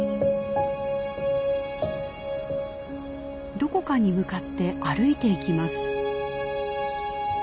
どこかに向かって歩いていきます。